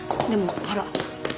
でもほら。